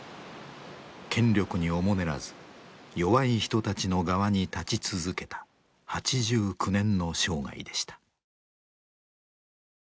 権力におもねらず弱い人たちの側に立ち続けた８９年の生涯でした。